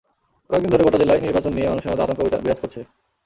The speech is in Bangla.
কয়েক দিন ধরে গোটা জেলায় নির্বাচন নিয়ে মানুষের মধ্যে আতঙ্ক বিরাজ করছে।